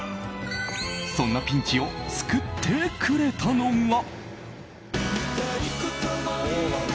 そんなピンチを救ってくれたのが。